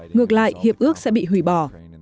ngược lại hiệp ước sẽ bị hủy bỏ